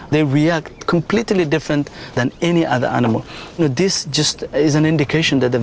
đây chỉ là một dấu hiệu rằng họ rất tinh thần